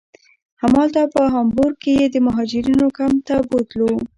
همالته په هامبورګ کې یې د مهاجرینو کمپ ته بوتلو.